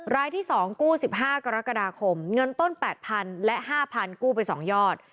รายที่๒กู้๑๕กรกฎาคมเงินต้น๘๐๐๐และ๕๐๐กู้ไป๒ยอด